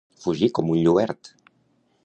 Fugir com un lluert.